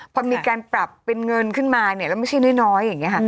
พอมีการปรับเป็นเงินขึ้นมาเนี่ยแล้วไม่ใช่น้อยอย่างนี้ค่ะ